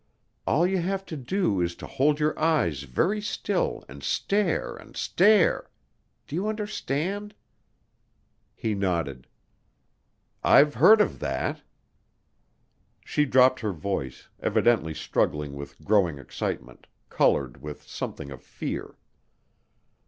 All you have to do is to hold your eyes very still and stare and stare. Do you understand?" He nodded. "I've heard of that." She dropped her voice, evidently struggling with growing excitement, colored with something of fear.